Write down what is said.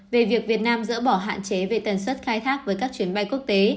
về việc việt nam dỡ bỏ hạn chế về tần suất khai thác với các chuyến bay quốc tế